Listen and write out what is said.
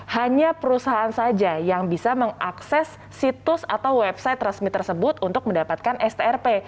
hanya perusahaan saja yang bisa mengakses situs atau website resmi tersebut untuk mendapatkan strp